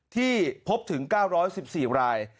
ที่พบถึง๙๑๔ราย